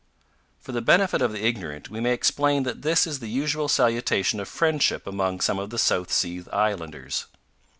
For the benefit of the ignorant, we may explain that this is the usual salutation of friendship among some of the South Sea Islanders.